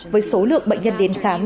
với số lượng bệnh nhân đến khám